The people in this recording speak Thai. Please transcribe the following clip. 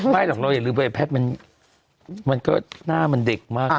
หรอกเราอย่าลืมไปแพทย์มันก็หน้ามันเด็กมาก